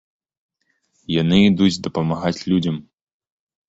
Яны ідуць дапамагаць людзям.